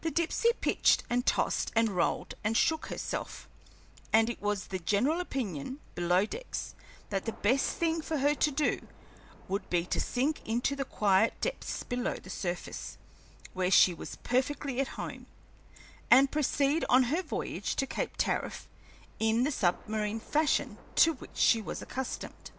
The Dipsey pitched and tossed and rolled and shook herself, and it was the general opinion, below decks, that the best thing for her to do would be to sink into the quiet depths below the surface, where she was perfectly at home, and proceed on her voyage to Cape Tariff in the submarine fashion to which she was accustomed.